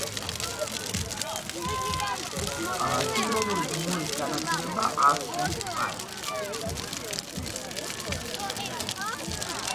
სიმბოლური ბმულის განადგურება არ შლის ფაილს.